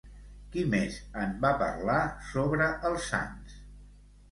Qui més en va parlar sobre els sants?